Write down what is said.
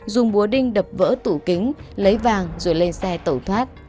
dùng búa đinh đập vỡ tủ kính lấy vàng rồi lên xe tẩu thoát